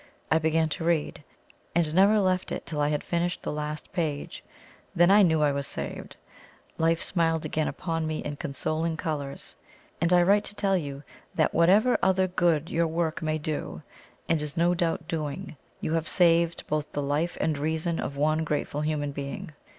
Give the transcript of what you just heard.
I began to read, and never left it till I had finished the last page then I knew I was saved. Life smiled again upon me in consoling colours, and I write to tell you that whatever other good your work may do and is no doubt doing, you have saved both the life and reason of one grateful human being.